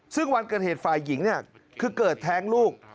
ซึ่งวันเกิดเหตุฝ่ายหญิงเนี่ยคือเกิดแท้งลูก